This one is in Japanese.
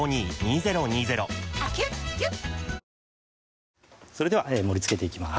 はいそれでは盛りつけていきます